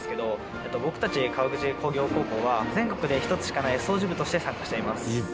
僕たち川口工業高校は全国で一つしかない掃除部として参加しています。